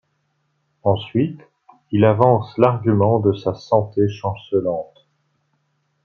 Ensuite il avance l'argument de sa santé chancelante.